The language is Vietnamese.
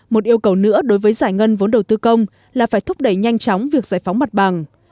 một yêu cầu nữa đối với giải ngân vốn đầu tư công là phải thúc đẩy nhanh chóng việc giải phóng mặt bằng